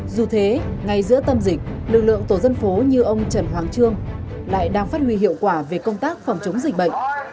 dù thế ngay giữa tâm dịch lực lượng tổ dân phố như ông trần hoàng trương lại đang phát huy hiệu quả về công tác phòng chống dịch bệnh